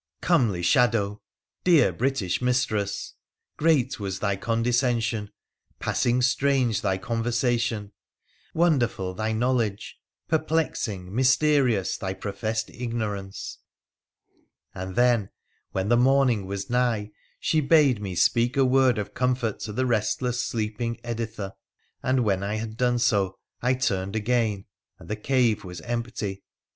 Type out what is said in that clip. Comely shadow ! Dear British mistress ! Great was thy condescension, passing strange thy conversation, wonderful thy knowledge, perplexing, mysterious thy professed igno rance ! And then, when the morning was nigh, she bade me speak a word of comfort to the restless sleeping Editha, and when I had done so I turned again — and the cave was empty !